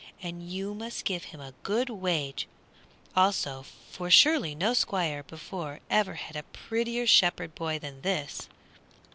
And you must give him a good wage, also, for surely no Squire before ever had a prettier shepherd boy than this."